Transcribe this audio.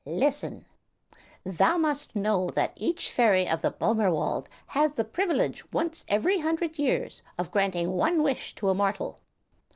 Listen. "Thou must know that each fairy of the Boehmer wald has the privilege once every hundred years of granting one wish to a mortal.